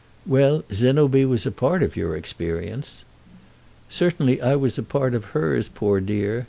"Well, Zénobie was a part of your experience." "Certainly I was a part of hers, poor dear!"